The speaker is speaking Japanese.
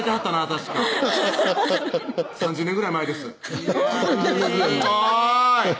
確か３０年ぐらい前ですいや